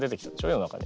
世の中に。